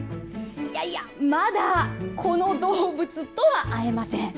いやいやまだこの動物とは会えません。